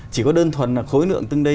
chỉ có đơn thuần là khối nượng từng đây